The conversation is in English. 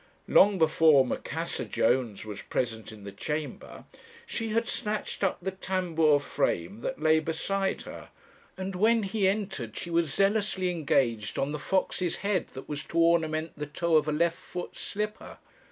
Long before Macassar Jones was present in the chamber she had snatched up the tambour frame that lay beside her, and when he entered she was zealously engaged on the fox's head that was to ornament the toe of a left foot slipper.